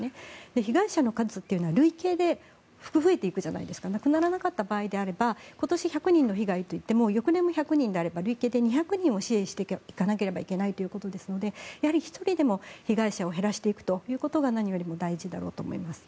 被害者の数は累計で増えていくじゃないですか亡くならなかった場合であれば今年１００人の被害といっても翌年１００人であれば累計で２００人を支援していかなければいけないので１人でも被害者を減らしていくことが何よりも大事だろうと思います。